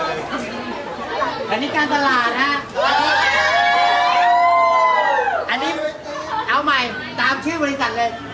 อันนี้การตลาดฮะอันนี้เอาใหม่ตามชื่อบริษัทเลย